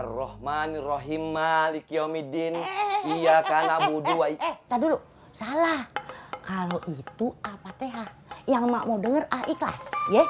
arrohmanirohim malik yomi din iya karena buduwa iya dulu salah kalau itu apa th yang mau denger al ikhlas